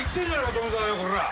富澤よこら。